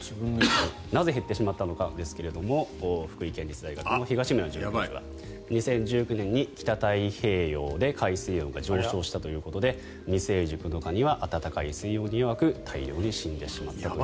なぜ減ってしまったのかですが福井県立大学の東村准教授は２０１９年に北太平洋で海水温が上昇したということで未成熟のカニは暖かい水温に弱く大量に死んでしまったと。